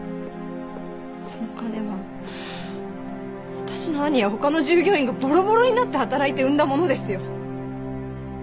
その金は私の兄や他の従業員がボロボロになって働いて生んだものですよ。